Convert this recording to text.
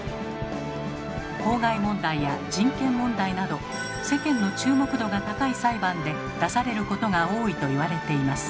公害問題や人権問題など世間の注目度が高い裁判で出されることが多いと言われています。